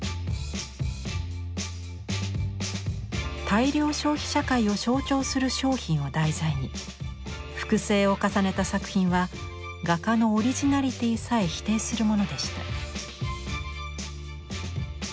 大量消費社会を象徴する商品を題材に複製を重ねた作品は画家のオリジナリティーさえ否定するものでした。